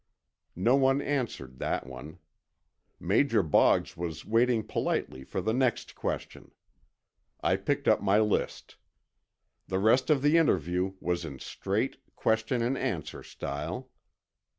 No one answered that one. Major Boggs was waiting politely for the next question. I picked up my list. The rest of the interview was in straight question and answer style: Q.